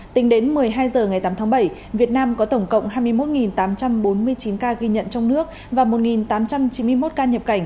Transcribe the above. tính đến một mươi hai h ngày tám tháng bảy việt nam có tổng cộng hai mươi một tám trăm bốn mươi chín ca ghi nhận trong nước và một tám trăm chín mươi một ca nhập cảnh